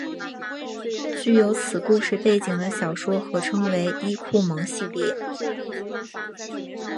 具有此故事背景的小说合称为伊库盟系列。